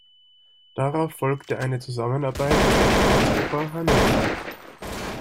Darauf folgt eine Zusammenarbeit mit der Staatsoper Hannover.